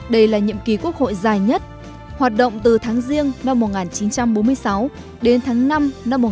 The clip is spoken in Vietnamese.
đây là nhiệm kỳ quốc hội dài nhất hoạt động từ tháng riêng năm một nghìn chín trăm bốn mươi sáu đến tháng năm năm một nghìn chín trăm bốn mươi năm